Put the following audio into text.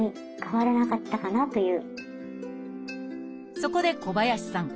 そこで小林さん